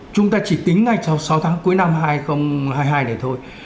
chúng ta chỉ tính ngay trong sáu tháng cuối năm hai nghìn hai mươi hai này thôi